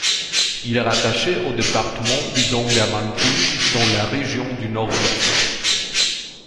Il est rattaché au département du Donga-Mantung, dans la région du Nord-Ouest.